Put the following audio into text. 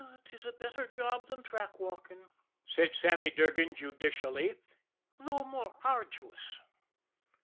"'Tis a better job than track walking," said Sammy Durgan judicially, "though more arduous."